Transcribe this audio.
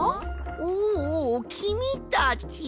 おおおおきみたち。